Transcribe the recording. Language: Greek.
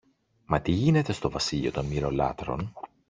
Μα τι γίνεται στο βασίλειο των Μοιρολάτρων;